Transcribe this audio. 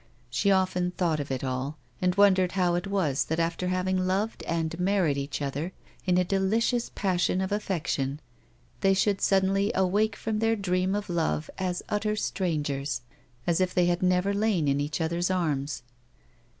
She often thought of it all, and wondered how it was that after having loved and married each other in a delicious passion of affection they should suddenly awake from their dream of love as utter strangers, as if they hi^d never lain in each other's arms.